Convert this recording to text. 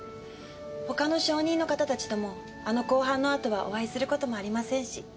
他の証人の方たちともあの公判のあとはお会いすることもありませんし。